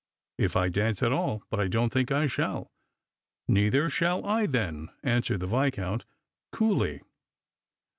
" If I dance at all; but I don't think I shall.'' " Neither shall I then," answered the Viscount, coollj.